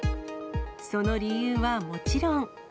その理由はもちろん。